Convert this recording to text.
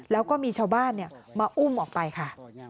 แล้วก็มีชาวบ้านมาอุ้มออกไปค่ะ